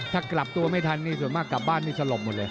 ถ้ากลับตัวไม่ทันนี่ส่วนมากกลับบ้านนี่สลบหมดเลย